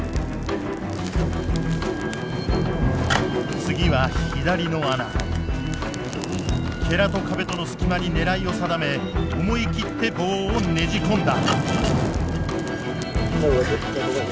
次は左の穴。と壁との隙間に狙いを定め思い切って棒をねじ込んだ。